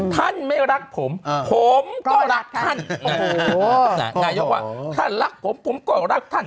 ท่านไม่รักผมผมก็รักท่านนายกว่าท่านรักผมผมก็รักท่าน